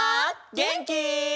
げんき？